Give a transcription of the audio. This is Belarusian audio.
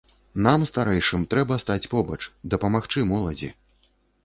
Нам, старэйшым, трэба стаць побач, дапамагчы моладзі.